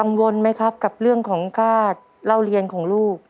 วนไหมครับกับเรื่องของค่าเล่าเรียนของลูก